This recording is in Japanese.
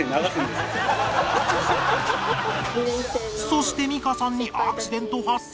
そして美香さんにアクシデント発生！？